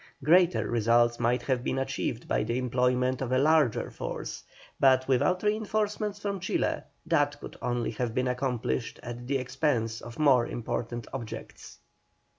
Greater results might have been achieved by the employment of a larger force, but without reinforcements from Chile, that could only have been accomplished at the expense of more important objects.